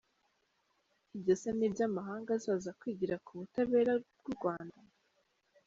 Ibyo se nibyo amahanga azaza kwigira ku butabera bw’u Rwanda?